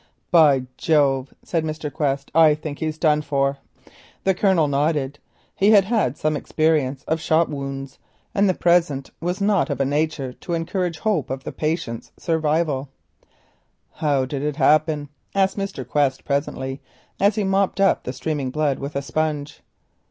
"By Jove!" said Mr. Quest, "I think he is done for." The Colonel nodded. He had some experience of shot wounds, and the present was not of a nature to encourage hope of the patient's survival. "How did it happen?" asked Mr. Quest presently, as he mopped up the streaming blood with a sponge.